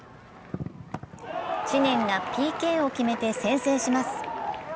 知念がＰＫを決めて先制します。